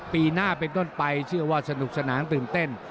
ปีหน้าเป็นต้นไปเชื่อว่าสนุกสนานตื่นเต้น